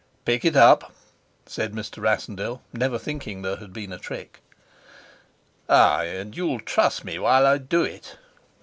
"Pick it up," said Mr. Rassendyll, never thinking there had been a trick. "Ay, and you'll truss me while I do it."